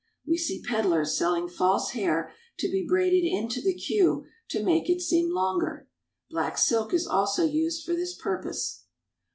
We see peddlers selling false hair to be braided into the queue to make it seem longer. Black silk is also used for this purpose.